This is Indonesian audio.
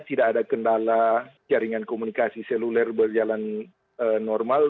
tidak ada kendala jaringan komunikasi seluler berjalan normal